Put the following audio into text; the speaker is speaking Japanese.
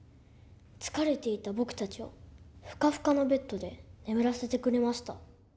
疲れていた僕たちをふかふかのベッドで眠らせてくれました。